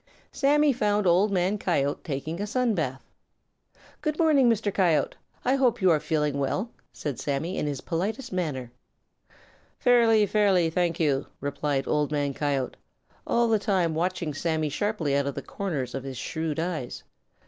Sammy found Old Man Coyote taking a sun bath. "Good morning, Mr. Coyote. I hope you are feeling well," said Sammy in his politest manner. "Fairly, fairly, thank you," replied Old Man Coyote, all the time watching Sammy sharply out of the corners of his shrewd eyes.